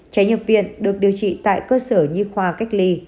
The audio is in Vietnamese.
trẻ nhập viện được điều trị tại cơ sở nhi khoa cách ly